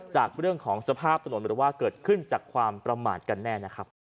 จากเรื่องของสภาพถนนหรือว่าเกิดขึ้นจากความประมาทกันแน่นะครับ